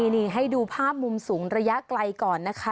นี่ให้ดูภาพมุมสูงระยะไกลก่อนนะคะ